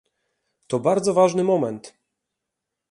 To bardzo ważny moment